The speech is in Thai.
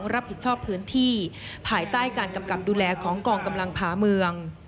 รับผิดชอบพื้นที่ภายใต้การกำกับดูแลของกองกำลังผ่าเมือง